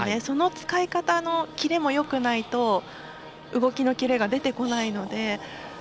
その使い方の切れもよくないと動きのキレが出てこないので。